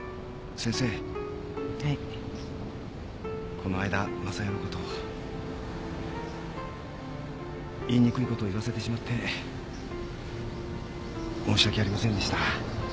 この間昌代のこと言いにくいこと言わせてしまって申し訳ありませんでした。